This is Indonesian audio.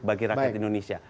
bagi rakyat indonesia